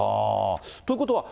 ということは？